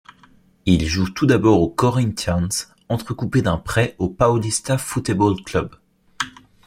Il joue tout d'abord aux Corinthians, entrecoupé d'un prêt au Paulista Futebol Clube.